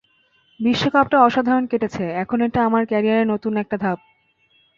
বিশ্বকাপটা অসাধারণ কেটেছে, এখন এটা আমার ক্যারিয়ারের জন্য নতুন একটা ধাপ।